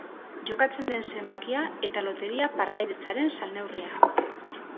Jokatzen den zenbakia eta loteria-partaidetzaren salneurria.